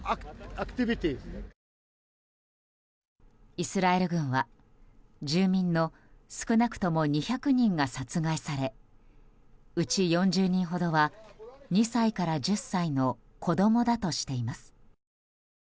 イスラエル軍は、住民の少なくとも２００人が殺害されうち４０人ほどは、２歳から１０歳の子供だとしています。